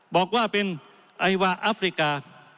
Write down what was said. บอกว่าเป็นไอวาอัฟริกา